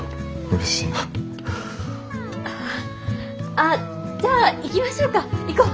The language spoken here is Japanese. あっじゃあ行きましょうか行こう。